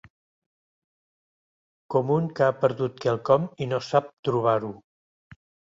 Com un que ha perdut quelcom i no sap trobar-ho